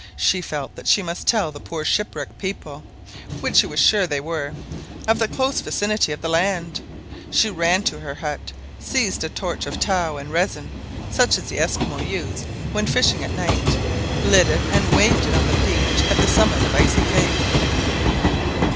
She felt that she must tell the poor shipwrecked people, which she was sure they were, of the close vicinity of the land. She ran to her hut, seized a torch of tow and resin, such as the Esquimaux use when fishing at night, lit it and waved it on the beach at the summit of Icy Cape.